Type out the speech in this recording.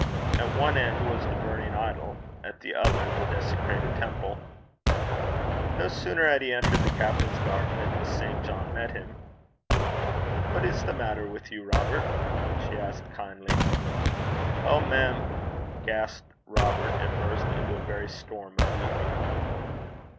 At one end was the burning idol, at the other the desecrated temple. No sooner had he entered the captain's garden than Miss St. John met him. 'What is the matter with you, Robert?' she asked, kindly. 'Oh, mem!' gasped Robert, and burst into a very storm of weeping.